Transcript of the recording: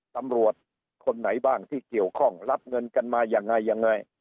ตำรวจคนไหนบ้างที่เกี่ยวข้องรับเงินกันมายังไงยังไง